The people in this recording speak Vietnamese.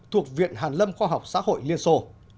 thuộc viện hàn lâm khoa học xã hội liên xô